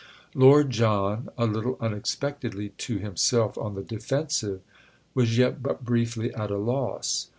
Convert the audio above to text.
Lord John, a little unexpectedly to himself on the defensive, was yet but briefly at a loss.